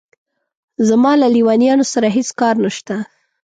زما له لېونیانو سره هېڅ کار نشته.